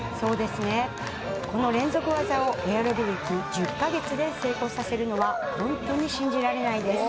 この連続技をエアロビ歴１０か月で成功させるのはホントに信じられないです